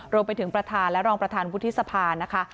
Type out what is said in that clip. รวมไปถึงประธานและรองประธานวุฒิสภานะคะ